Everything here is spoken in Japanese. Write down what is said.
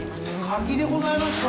柿でございますか？